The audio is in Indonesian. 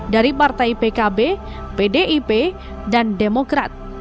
dari partai pkb pdip dan demokrat